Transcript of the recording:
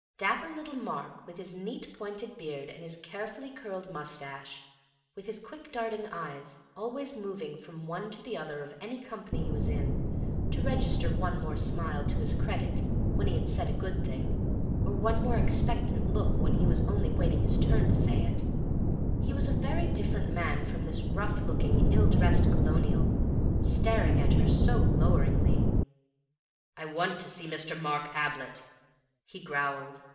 Dapper little Mark, with his neat pointed beard and his carefully curled moustache; with his quick darting eyes, always moving from one to the other of any company he was in, to register one more smile to his credit when he had said a good thing, one more expectant look when he was only waiting his turn to say it; he was a very different man from this rough looking, ill dressed colonial, staring at her so loweringly. "I want to see Mr. Mark Ablett," he growled.